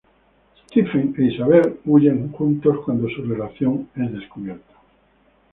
Stephen e Isabelle huyen juntos cuando su relación es descubierta.